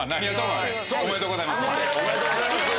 ありがとうございます。